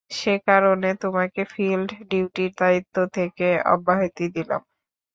সেকারণে তোমাকে ফিল্ড ডিউটির দায়িত্ব থেকে অব্যাহতি দিলাম।